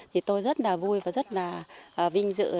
thì tôi rất là vui và rất là vinh dự